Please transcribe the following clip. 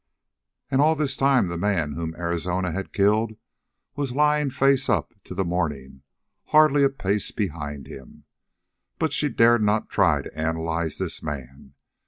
And all this time the man whom Arizona had killed, was lying face up to the morning, hardly a pace behind him! But she dared not try to analyze this man.